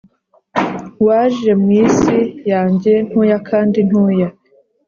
waje mwisi yanjye, ntoya kandi ntoya ...